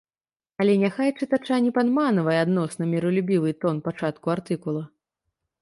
Але няхай чытача не падманвае адносна міралюбівы тон пачатку артыкула.